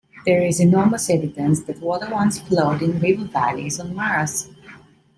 There is enormous evidence that water once flowed in river valleys on Mars.